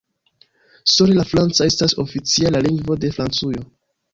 Sole la franca estas oficiala lingvo de Francujo.